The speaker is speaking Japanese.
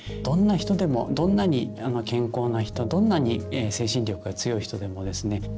どんな人でもどんなに健康な人どんなに精神力が強い人でもですね